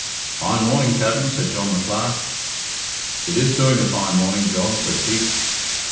"Fine morning, Capt'n," said John the Clerk. "It is doing a fine morning, John," said Pete.